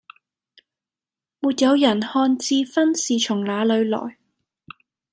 沒有人看智勳是從那裏來